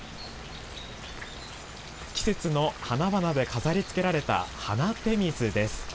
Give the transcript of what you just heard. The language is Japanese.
季節の花々で飾りつけられた花手水です。